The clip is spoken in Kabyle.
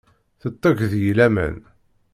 Tetteg deg-i laman.